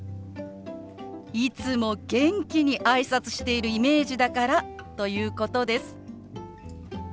いつも元気に挨拶してるイメージだからということです。